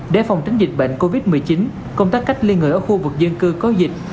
để phòng tránh dịch bệnh covid một mươi chín công tác cách ly người ở khu vực dân cư có dịch